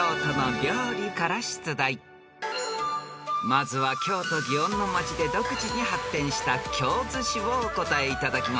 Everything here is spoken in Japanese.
［まずは京都祇園の街で独自に発展した京寿司をお答えいただきます］